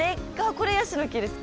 これやしの木ですか？